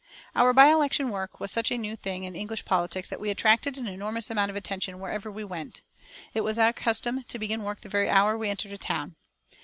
Our by election work was such a new thing in English politics that we attracted an enormous amount of attention wherever we went. It was our custom to begin work the very hour we entered a town.